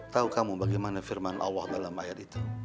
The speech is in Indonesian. tahu kamu bagaimana firman allah dalam ayat itu